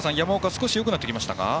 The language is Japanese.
少しよくなってきましたか。